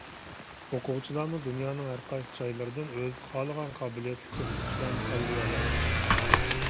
ئوقۇغۇچىلارمۇ دۇنيانىڭ ھەر قايسى جايلىرىدىن ئۆزى خالىغان قابىلىيەتلىك ئوقۇتقۇچىلارنى تاللىيالايدۇ.